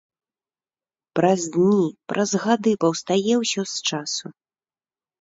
Праз дні, праз гады паўстае ўсё з часу!